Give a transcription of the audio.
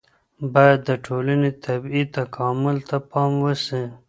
باید د ټولني طبیعي تکامل ته پام وسي.